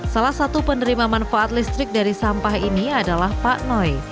salah satu penerima manfaat listrik dari sampah ini adalah pak noi